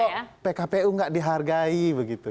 kok pkpu nggak dihargai begitu